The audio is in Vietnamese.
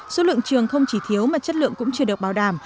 số lượng trường không chỉ thiếu mà chất lượng cũng chưa được bảo đảm